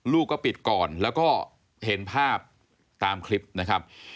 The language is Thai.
ลูกก็ปิดก่อนแล้วก็เห็นภาพตามคลิปนะครับ